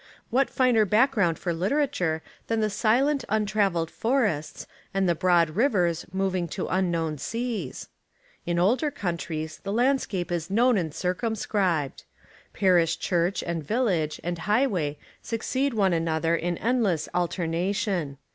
What finer background for literature than the silent un 70 Literature and Education in America travelled forests and the broad rivers moving to unknown seas? In older countries the land scape is known and circumscribed. Parish church, and village, and highway succeed one another in endless alternation.